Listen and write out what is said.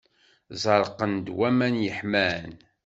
Zerqen-d waman iḥman.